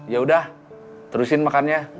yaudah terusin makan ya